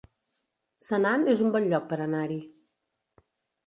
Senan es un bon lloc per anar-hi